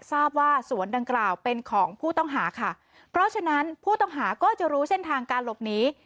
ทราบว่าสวนดังกล่าวเป็นของผู้ต้องหาค่ะเพราะฉะนั้นผู้ต้องหาก็จะรู้เส้นทางการหลบหนี